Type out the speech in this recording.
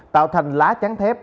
tạo thành lá trắng thép